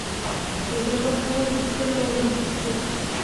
زه به هغه هيڅکله ونه وبښم.